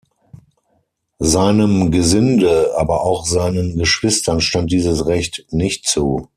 Seinem Gesinde, aber auch seinen Geschwistern stand dieses Recht nicht zu.